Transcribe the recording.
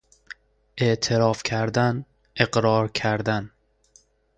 اعتراف کردن، اقرار کردن